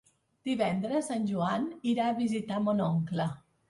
Divendres en Joan irà a visitar mon oncle.